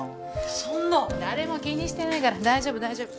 そんな誰も気にしてないから大丈夫大丈夫